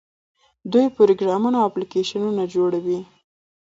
دوی پروګرامونه او اپلیکیشنونه جوړوي.